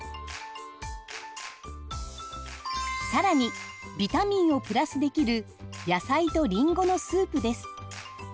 更にビタミンをプラスできる野菜とりんごのスープです。